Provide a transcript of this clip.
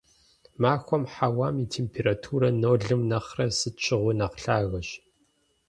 Махуэм хьэуам и температура нолым нэхърэ сыт щыгъуи нэхъ лъагэщ.